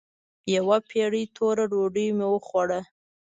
يوه پېړه توره ډوډۍ مې وخوړه.